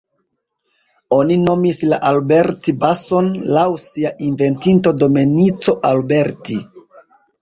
Oni nomis la Alberti-bason laŭ sia inventinto Domenico Alberti.